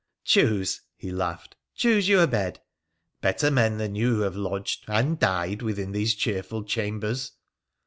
' Choose I '— he laughed —' choose you a bed ! Better men than you have lodged — and died — within these cheerful chambers.'